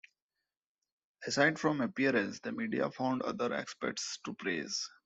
Aside from appearance, the media found other aspects to praise.